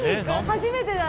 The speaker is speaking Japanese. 初めてだ。